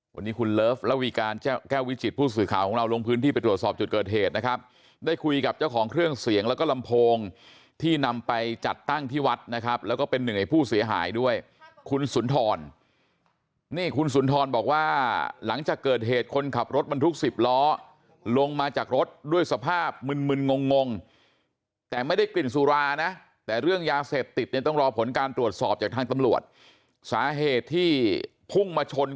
วันนี้คุณเลิฟและวีการแก้ววิจิตผู้สื่อข่าวของเราลงพื้นที่ไปตรวจสอบจุดเกิดเหตุนะครับได้คุยกับเจ้าของเครื่องเสียงแล้วก็ลำโพงที่นำไปจัดตั้งที่วัดนะครับแล้วก็เป็นเหนื่อยผู้เสียหายด้วยคุณสุนทรนี่คุณสุนทรบอกว่าหลังจากเกิดเหตุคนขับรถมันทุกสิบล้อลงมาจากรถด้วยสภาพมึนมึนงง